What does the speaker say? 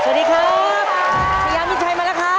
สวัสดีครับสวัสดีครับซีย์ยันสนิทชัยมาแล้วครับ